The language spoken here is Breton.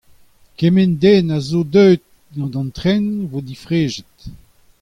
Kement den a zo deuet gant an tren a vo difrejet.